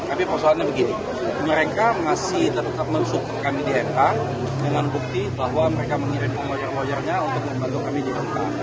tapi persoalannya begini mereka masih tetap mensupport kami di mk dengan bukti bahwa mereka mengirim lawyer lawyernya untuk membantu kami di mk